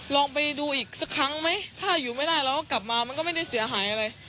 ลองไปดูอีกสักครั้งไหมถ้าอยู่ไม่ได้เราก็กลับมามันก็ไม่ได้เสียหายอะไร